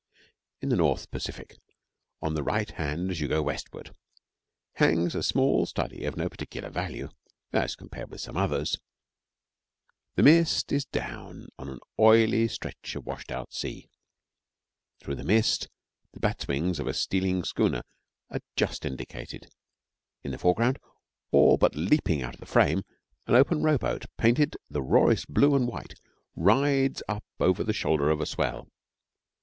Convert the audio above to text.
In the North Pacific, to the right hand as you go westward, hangs a small study of no particular value as compared with some others. The mist is down on an oily stretch of washed out sea; through the mist the bats wings of a sealing schooner are just indicated. In the foreground, all but leaping out of the frame, an open rowboat, painted the rawest blue and white, rides up over the shoulder of a swell.